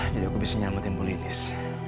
jadi aku bisa nyametin bu lilis